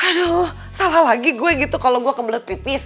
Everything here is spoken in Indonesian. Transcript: aduh salah lagi gue gitu kalau gue kebelet pipis